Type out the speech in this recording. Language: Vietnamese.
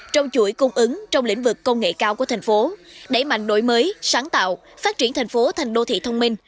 trong chuỗi cung ứng trong lĩnh vực công nghệ cao của tp hcm đẩy mạnh đổi mới sáng tạo phát triển tp hcm thành đô thị thông minh